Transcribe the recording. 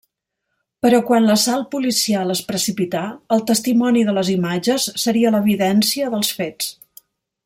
Però quan l'assalt policial es precipità, el testimoni de les imatges seria l'evidència dels fets.